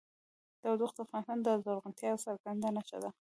تودوخه د افغانستان د زرغونتیا یوه څرګنده نښه ده.